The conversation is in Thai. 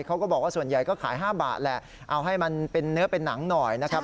เขาก็บอกว่าส่วนใหญ่ก็ขาย๕บาทแหละเอาให้มันเป็นเนื้อเป็นหนังหน่อยนะครับ